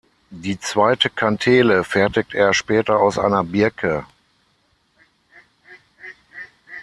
Die zweite Kantele fertigt er später aus einer Birke.